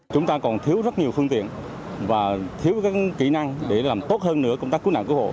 chúng ta còn thiếu rất nhiều phương tiện và thiếu các kỹ năng để làm tốt hơn nữa công tác cứu nạn cứu hộ